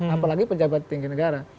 apalagi pejabat tinggi negara